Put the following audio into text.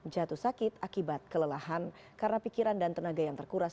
jatuh sakit akibat kelelahan karena pikiran dan tenaga yang terkuras